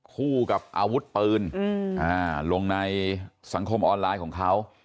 คู่กับอาวุธปืนลงในสังคมออนไลน์ของเขา